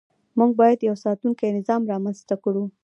موږ باید یو ساتونکی نظام رامنځته کړو.